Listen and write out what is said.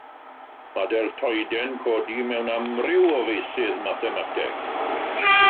Mae deltoidau'n codi mewn amryw o feysydd mathemateg.